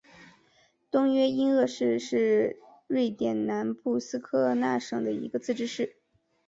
东约因厄市是瑞典南部斯科讷省的一个自治市。